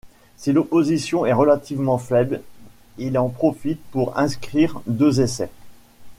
Si l'opposition est relativement faible, il en profite pour inscrire deux essais.